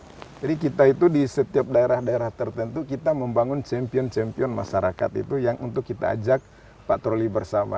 jadi kita itu di setiap daerah daerah tertentu kita membangun champion champion masyarakat itu yang untuk kita ajak patroli bersama